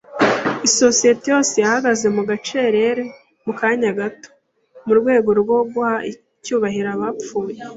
Isosiyete yose yahagaze mu gacerere mu kanya gato, mu rwego rwo guha icyubahiro abapfuye.